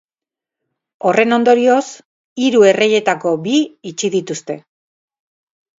Horren ondorioz, hiru erreietako bi itxi dituzte.